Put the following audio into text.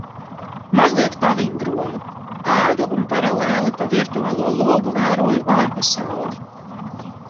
Mazliet pavingroju. Ēdu un paralēli pa virtuālo logu vēroju ārpasauli.